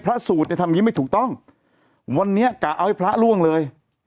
สูตรเนี่ยทำอย่างนี้ไม่ถูกต้องวันนี้กะเอาให้พระล่วงเลย